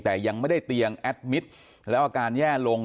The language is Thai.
แต่ยังไม่ได้เตียงแอดมิตรแล้วอาการแย่ลง